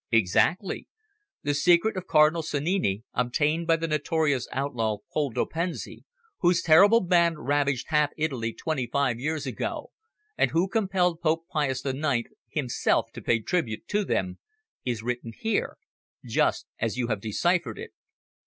"Exactly. The secret of Cardinal Sannini, obtained by the notorious outlaw Poldo Pensi, whose terrible band ravaged half Italy twenty five years ago, and who compelled Pope Pius IX himself to pay tribute to them, is written here just as you have deciphered it."